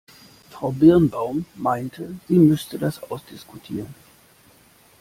Frau Birnbaum meinte, sie müsste das ausdiskutieren.